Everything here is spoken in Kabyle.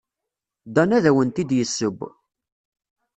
Dan ad awent-d-yesseww.